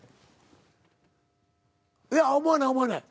思わない思わない。